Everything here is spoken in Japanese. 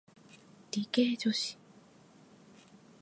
理系女性